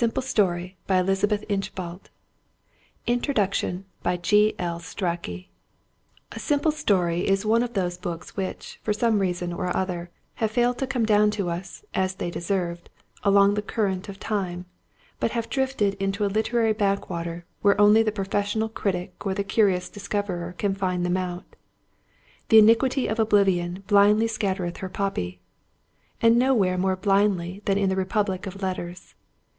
Plays written by Mrs. Inchbald INTRODUCTION A Simple Story is one of those books which, for some reason or other, have failed to come down to us, as they deserved, along the current of time, but have drifted into a literary backwater where only the professional critic or the curious discoverer can find them out. "The iniquity of oblivion blindly scattereth her poppy;" and nowhere more blindly than in the republic of letters.